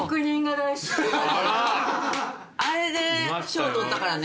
あれで賞取ったからね。